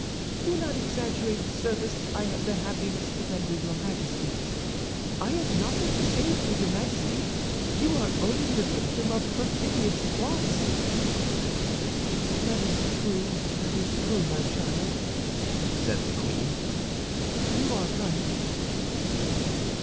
"Do not exaggerate the service I have the happiness to render your Majesty. I have nothing to save for your Majesty; you are only the victim of perfidious plots." "That is true, that is true, my child," said the queen, "you are right."